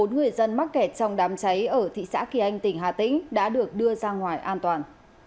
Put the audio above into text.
bốn người dân mắc kẹt trong đám cháy ở thị xã kỳ anh tỉnh hà tĩnh đã được đưa ra ngoài an toàn